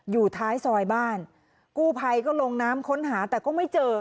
อยู่ท้ายซอยบ้านกู้ภัยก็ลงน้ำค้นหาแต่ก็ไม่เจอ